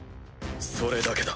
それだけだ！